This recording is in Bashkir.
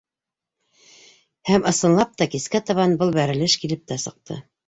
Һәм, ысынлап та, кискә табан был бәрелеш килеп тә сыҡты.